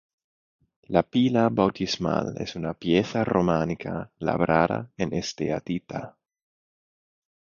La pila bautismal es una pieza románica labrada en esteatita.